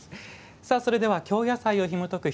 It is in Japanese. それでは、京野菜をひもとく